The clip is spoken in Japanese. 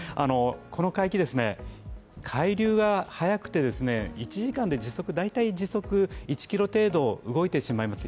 この海域、海流が早くて、１時間で大体時速１キロ程度動いてしまいます。